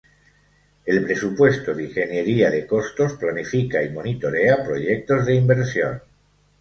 El presupuesto de ingeniería de costos planifica y monitorea proyectos de inversión.